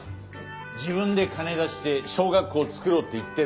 自分で金出して小学校作ろうって言ってるんだから。